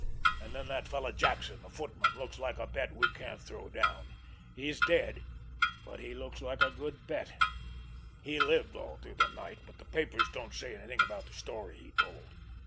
And then that fellow Jackson, the footman, looks like a bet we can't throw down. He's dead—but he looks like a good bet. He lived all through the night, but the papers don't say anything about the story he told.